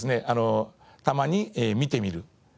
たまに見てみる。